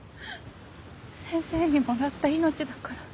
先生にもらった命だから。